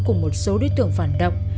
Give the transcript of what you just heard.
cùng một số đối tượng phản động